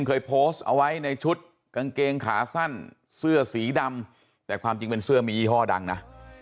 เคยโพสต์เอาไว้ในชุดกางเกงขาสั้นเสื้อสีดำแต่ความจริงเป็นเสื้อมียี่ห้อดังนะ